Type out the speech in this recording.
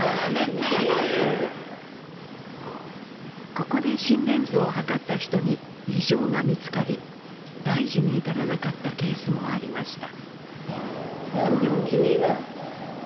ここで心電図を測った人に異常が見つかり大事に至らなかったケースもありました。